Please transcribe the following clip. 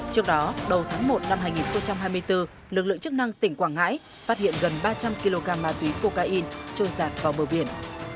trước đó đầu tháng một năm hai nghìn hai mươi bốn lực lượng chức năng tỉnh quảng ngãi phát hiện gần ba trăm linh kg ma túy cocaine trôi giạt vào bờ biển